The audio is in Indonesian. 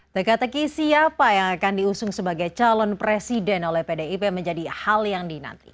teka teki siapa yang akan diusung sebagai calon presiden oleh pdip menjadi hal yang dinanti